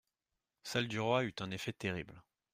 Celle du roi eut un effet terrible.